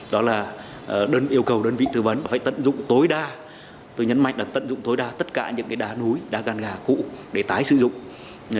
đó là đơn yêu cầu đơn vị tư vấn phải tận dụng tối đa tôi nhấn mạnh là tận dụng tối đa tất cả những đá núi đa gan gà cũ để tái sử dụng